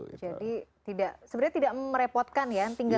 jadi sebenarnya tidak merepotkan ya